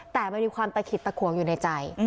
แต่มันมีความตะขิดตะขวงอยู่ในใจ